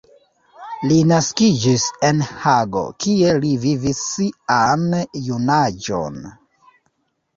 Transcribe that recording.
Li naskiĝis en Hago, kie li vivis sian junaĝon.